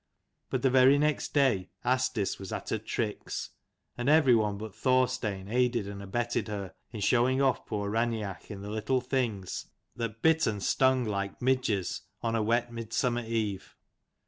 But the very next day Asdis was at her tricks : and every one but Thorstein aided and abetted her in showing off poor Raineach in little things, that bit and stung like midges 171 on a wet mid summer eve.